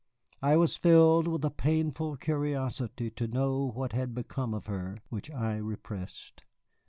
I was filled with a painful curiosity to know what had become of her, which I repressed.